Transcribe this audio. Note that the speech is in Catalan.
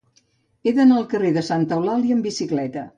He d'anar al carrer de Santa Eulàlia amb bicicleta.